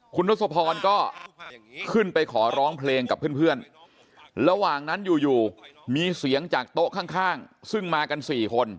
คุณทศพรก็ขึ้นไปขอร้องเพลงกับเพื่อนระหว่างนั้นอยู่มีเสียงจากโต๊ะข้างซึ่งมากัน๔คน